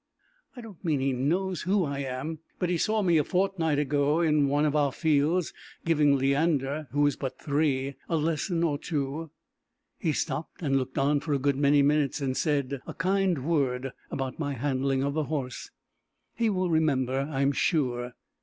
"I don't mean he knows who I am, but he saw me a fortnight ago, in one of our fields, giving Leander, who is but three, a lesson or two. He stopped and looked on for a good many minutes, and said a kind word about my handling of the horse. He will remember, I am sure."